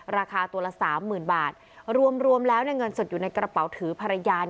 ราคาตัวละสามหมื่นบาทรวมแล้วเงินสดอยู่ในกระเป๋าถือภรรยา